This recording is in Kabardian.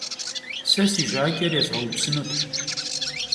Se si jaç'er yêzğeupsınut.